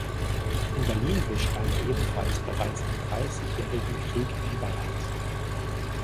In Berlin bestand ebenfalls bereits im Dreißigjährigen Krieg ein Ballhaus.